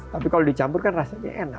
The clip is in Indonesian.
tapi kalau dicampur kan rasanya enak